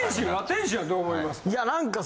天心はどう思いますか？